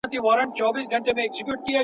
بیرته لیري له تلک او له دانې سو !.